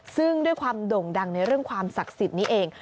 ซึ่งด้วยความโด่งดังในเรื่องความศักดิ์สิทธิ์นี้เอง